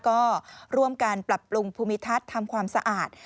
ก็ร่วมการปรับปรุงภูมิทัศน์ทำความสะอาด